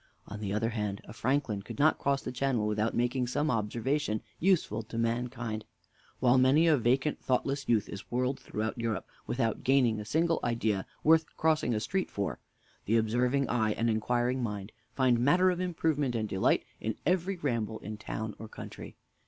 On the other hand, a Franklin could not cross the channel without making some observations useful to mankind. While many a vacant, thoughtless youth is whirled throughout Europe without gaining a single idea worth crossing a street for, the observing eye and inquiring mind find matter of improvement and delight in every ramble in town or country.